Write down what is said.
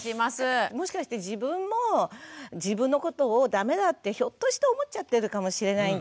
もしかして自分も自分のことをダメだってひょっとして思っちゃってるかもしれないんですよ。